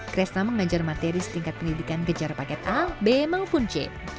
kresna mengajar materi setingkat pendidikan kejar paket a b maupun c